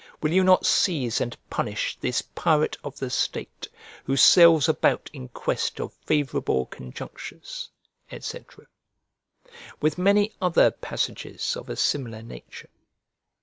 Will you not seize and punish this pirate of the state, who sails about in quest of favourable conjunctures," &c. With many other passages of a similar nature.